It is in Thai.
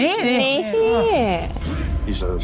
นี่นี่นี่นี่